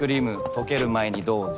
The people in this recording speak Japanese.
溶ける前にどうぞ。